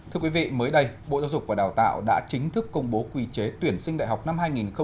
thưa quý vị mới đây bộ giáo dục và đào tạo đã chính thức công bố quy chế tuyển sinh đại học năm hai nghìn hai mươi